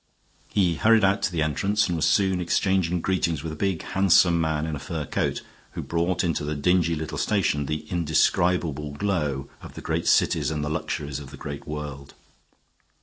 He hurried out to the entrance and was soon exchanging greetings with a big handsome man in a fur coat, who brought into the dingy little station the indescribable glow of the great cities and the luxuries of the great world.